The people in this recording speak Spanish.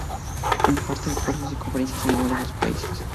Imparte cursos y conferencias en numerosos países.